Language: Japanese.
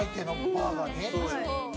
バーガーに？